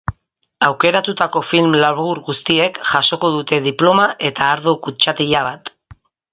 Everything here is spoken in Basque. Aukeratutako film labur guztiek jasoko dute diploma eta ardo kutxatila bat.